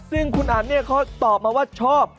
ซึ่งคุณอันเขาตอบมาว่าชอบ